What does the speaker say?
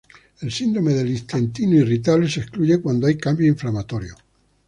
El síndrome del intestino irritable se excluye cuando hay cambios inflamatorios.